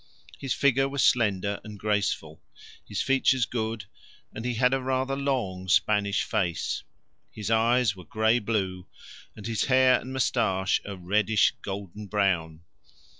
His figure was slender and graceful, his features good, and he had a rather long Spanish face; his eyes were grey blue, and his hair and moustache a reddish golden brown.